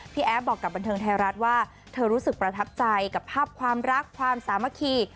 แอฟบอกกับบันเทิงไทยรัฐว่าเธอรู้สึกประทับใจกับภาพความรักความสามัคคี